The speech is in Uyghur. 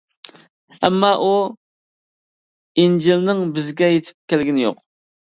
ئەمما ئۇ ئىنجىلنىڭ بىزگە يېتىپ كەلگىنى يوق.